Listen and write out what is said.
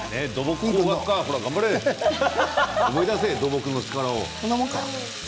思い出せ、土木の力を。